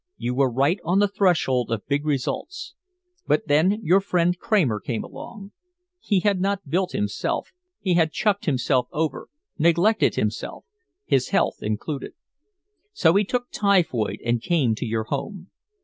You were right on the threshold of big results. But then your friend Kramer came along. He had not built himself, he had chucked himself over, neglected himself, his health included. So he took typhoid and came to your home.